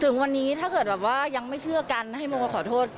ถึงวันนี้ถ้าเกิดแบบว่ายังไม่เชื่อกันให้โมมาขอโทษ